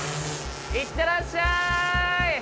いってらっしゃい！